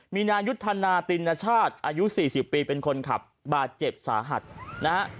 มีนายุทธนาตินชาติอายุ๔๐ปีเป็นคนขับบาดเจ็บสาหัสนะฮะ